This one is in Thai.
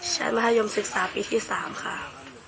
ฉันมธยมศึกษาปีที่สามค่ะ